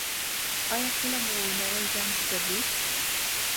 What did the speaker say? ایا کله مو نری رنځ درلود؟